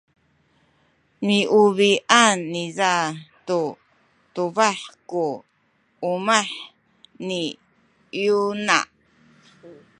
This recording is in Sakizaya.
niubi’an niza tu tubah ku umah ni Yona.